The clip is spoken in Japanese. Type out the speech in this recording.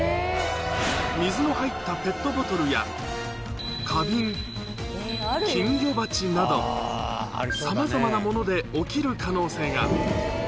水の入ったペットボトルや、花瓶、金魚鉢など、さまざまなもので起きる可能性が。